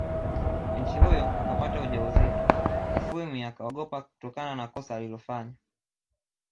Binti huyo akapata ujauzito Mufwimi akaogopa kutokana na kosa alilolifanya